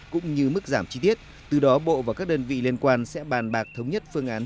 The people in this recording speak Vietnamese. cũng như mức giảm chi tiết từ đó bộ và các đơn vị liên quan sẽ bàn bạc thống nhất phương án